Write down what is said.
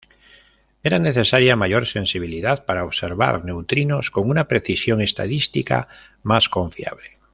Era necesaria mayor sensibilidad para observar neutrinos con una precisión estadística más confiable.